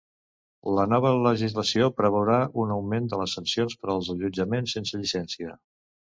La nova legislació preveurà un augment de les sancions per als allotjaments sense llicència.